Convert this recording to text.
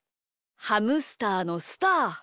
ハムスターのスター。